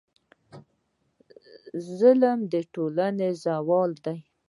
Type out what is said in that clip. ظلم د ټولنې زوال دی.